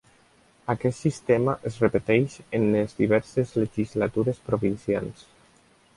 Aquest sistema es repeteix en les diverses legislatures provincials.